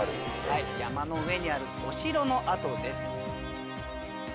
山の上にあるお城の跡です。